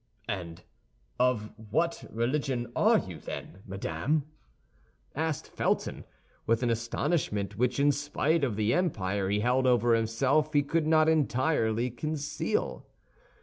"And of what religion are you, then, madame?" asked Felton, with an astonishment which in spite of the empire he held over himself he could not entirely conceal.